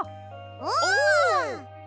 お！